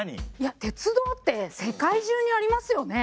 鉄道って世界中にありますよね。